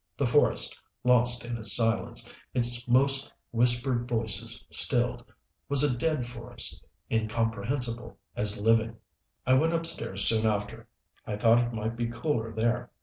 The forest, lost in its silence, its most whispered voices stilled, was a dead forest, incomprehensible as living. I went upstairs soon after. I thought it might be cooler there.